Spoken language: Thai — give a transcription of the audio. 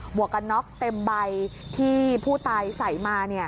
วกกันน็อกเต็มใบที่ผู้ตายใส่มา